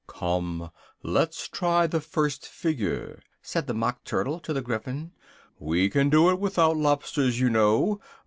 "Come, let's try the first figure!" said the Mock Turtle to the Gryphon, "we can do it without lobsters, you know.